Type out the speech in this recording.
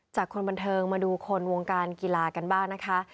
คนบันเทิงมาดูคนวงการกีฬากันบ้างนะคะ